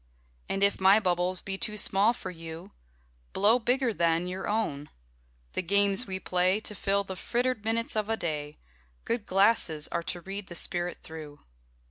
And if my bubbles be too small for you, Blow bigger then your own: the games we play To fill the frittered minutes of a day, Good glasses are to read the spirit through.